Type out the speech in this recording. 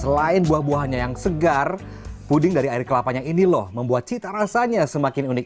selain buah buahnya yang segar puding dari air kelapanya ini loh membuat cita rasanya semakin unik